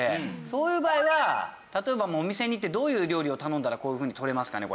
そういう場合は例えばお店に行ってどういう料理を頼んだらこういうふうにとれますかね？